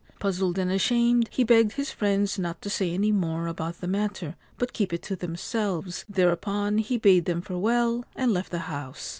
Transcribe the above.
Puzzled and ashamed, he begged his friends not to say any more about the matter, but keep it to themselves ; thereupon he bade them farewell and left the house.